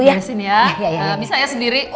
bersin ya bisa ya sendiri